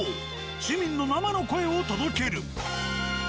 住民の生の声を届ける。